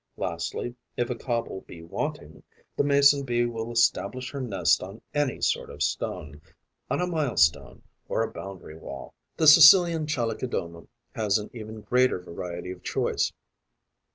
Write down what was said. Lastly, if a cobble be wanting, the Mason bee will establish her nest on any sort of stone, on a mile stone or a boundary wall. The Sicilian Chalicodoma has an even greater variety of choice.